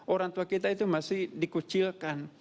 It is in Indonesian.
orang tua kita itu masih dikucilkan